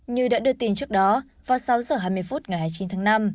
như đã đưa tin trước đó vào sáu h hai mươi phút ngày hai mươi chín tháng năm